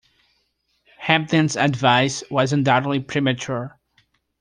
Hampden's advice was undoubtedly premature.